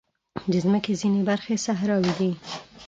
د مځکې ځینې برخې صحراوې دي.